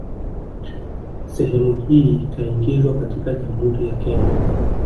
Sehemu hii ikaingizwa katika Jamhuri ya Kenya